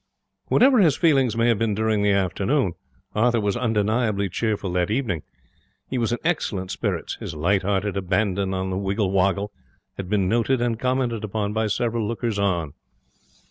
Whatever his feelings may have been during the afternoon, Arthur was undeniably cheerful that evening. He was in excellent spirits. His light hearted abandon on the Wiggle Woggle had been noted and commented upon by several lookers on.